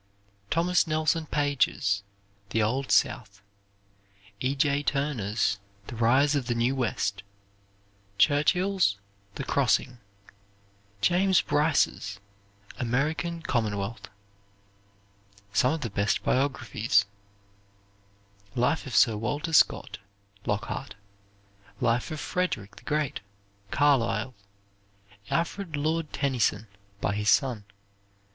Thomas Nelson Page's "The Old South." E. J. Turner's "The Rise of the New West" Churchill's "The Crossing." James Bryce's "American Commonwealth." Some of the Best Biographies "Life of Sir Walter Scott," Lockhart. "Life of Frederick the Great," Carlyle. "Alfred Lord Tennyson," by his son.